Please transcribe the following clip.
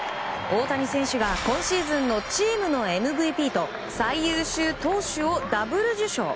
大谷選手が今シーズンのチームのＭＶＰと最優秀投手をダブル受賞。